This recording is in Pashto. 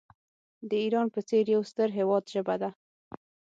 د ایران په څېر یو ستر هیواد ژبه ده.